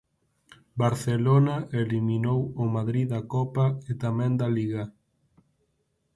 Barcelona eliminou o Madrid da Copa e tamén da Liga.